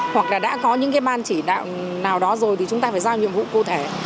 hoặc là đã có những cái ban chỉ đạo nào đó rồi thì chúng ta phải giao nhiệm vụ cụ thể